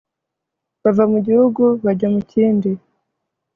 bava mu gihugu bajya mu kindi